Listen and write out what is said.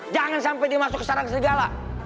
jangan sampai dia masuk sekarang segala